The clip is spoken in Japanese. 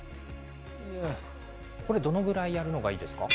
どのぐらいやるのがいいですか？